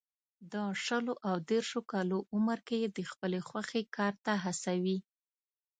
د شلو او دېرشو کالو عمر کې یې د خپلې خوښې کار ته هڅوي.